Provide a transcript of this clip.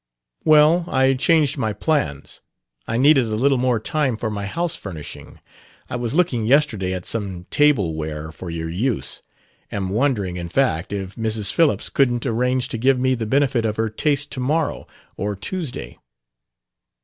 "Well, I changed my plans. I needed a little more time for my house furnishing. I was looking yesterday at some table ware for your use; am wondering, in fact, if Mrs. Phillips couldn't arrange to give me the benefit of her taste to morrow or Tuesday...."